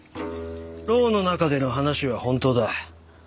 牢の中での話は本当だ。